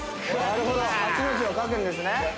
なるほど８の字を書くんですね